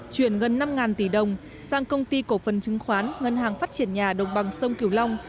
chuyển gần năm tỷ đồng sang công ty cổ phần chứng khoán ngân hàng phát triển nhà đồng bằng sông cửu long